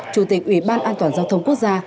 chủ tịch ủy ban an toàn giao thông quốc gia